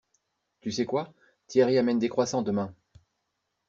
Tu sais quoi? Thierry amène des croissants demain!